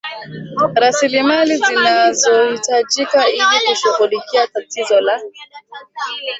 raslimali zinazohitajika ili kushughulikia tatizo la